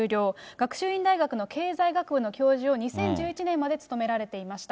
学習院大学の経済学部の教授を２０１１年まで務められていました。